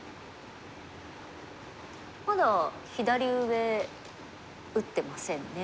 まだ左上打ってませんね。